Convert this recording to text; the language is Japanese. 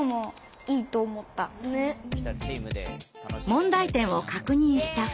問題点を確認した２人。